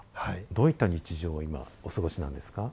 どういった日常を今お過ごしなんですか？